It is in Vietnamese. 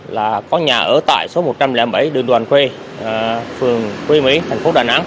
là con nhà ở tại số một trăm linh bảy đường đoàn quê phường quê mỹ thành phố đà nẵng